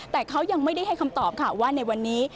แต่เขายังไม่ได้ให้คำตอบค่ะว่าในวันนี้